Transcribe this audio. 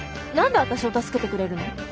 何で私を助けてくれるの？